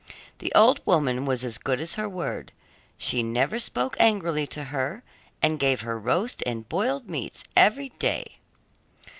The old woman was as good as her word: she never spoke angrily to her, and gave her roast and boiled meats every day.